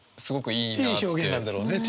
いい表現なんだろうね。